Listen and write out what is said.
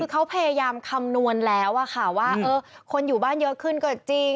คือเขาพยายามคำนวณแล้วว่าคนอยู่บ้านเยอะขึ้นก็จริง